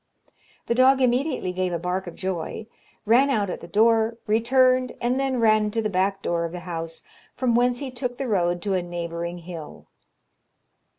The dog immediately gave a bark of joy, ran out at the door, returned, and then ran to the back door of the house, from whence he took the road to a neighbouring hill.